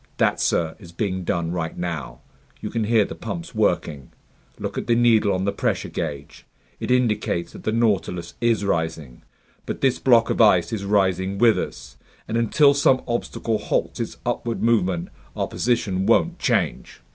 "That, sir, is being done right now. You can hear the pumps working. Look at the needle on the pressure gauge. It indicates that the Nautilus is rising, but this block of ice is rising with us, and until some obstacle halts its upward movement, our position won't change."